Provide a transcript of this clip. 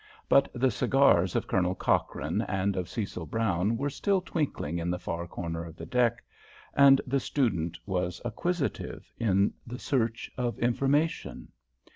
But the cigars of Colonel Cochrane and of Cecil Brown were still twinkling in the far corner of the deck, and the student was acquisitive in the search of information.